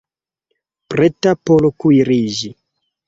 Preta por kuiriĝi